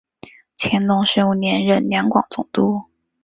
乾隆十五年任两广总督。